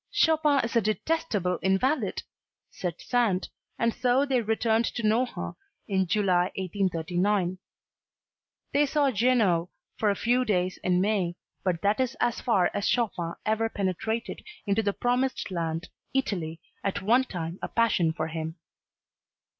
"Chopin is a detestable invalid," said Sand, and so they returned to Nohant in June 1839. They saw Genoa for a few days in May, but that is as far as Chopin ever penetrated into the promised land Italy, at one time a passion with him.